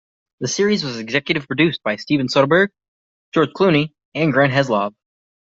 The series was executive produced by Steven Soderbergh, George Clooney, and Grant Heslov.